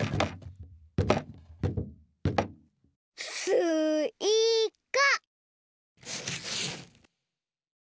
すいか。